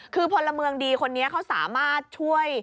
คือพลเมืองดีคนนี้เขาสามารถช่วย